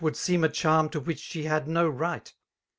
Would seem a charm to which she had no right.